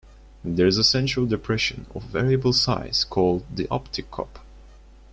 There is a central depression, of variable size, called the optic cup.